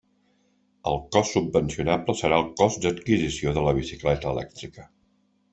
El cost subvencionable serà el cost d'adquisició de la bicicleta elèctrica.